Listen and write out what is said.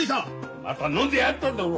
また飲んでやがったんだろう！